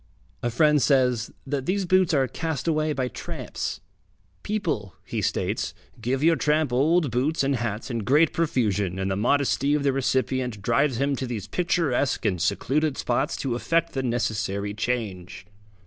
A friend says, that these boots are cast away by tramps. People, he states, give your tramp old boots and hats in great profusion, and the modesty of the recipient drives him to these picturesque and secluded spots to effect the necessary change.